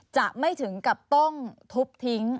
จะไม่ถึงกับต้องทุบทิ้ง